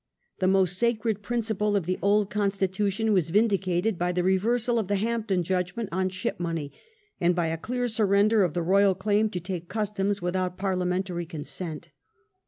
The most sacred principle of the old constitution was vindicated by the reversal of the Hampden judgment on ship money, and by a clear surrender of the royal claim to take customs without Parliamentary consent.